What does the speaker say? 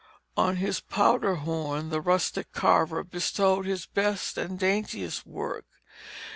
On his powder horn the rustic carver bestowed his best and daintiest work.